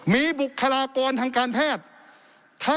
มีบุคลากรทางการแพทย์